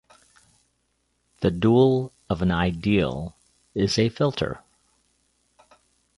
The dual of an "ideal" is a "filter".